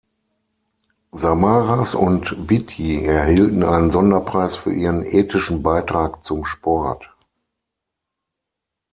Samaras und Beatty erhielten einen Sonderpreis für ihren ethischen Beitrag zum Sport.